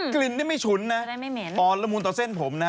กลิ่นได้ไม่ฉุนนะปรรมูลต่อเส้นผมนะ